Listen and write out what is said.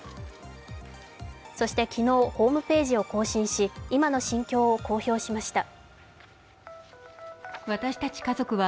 そして、昨日、ホームページを更新し、今の心境を公表しました。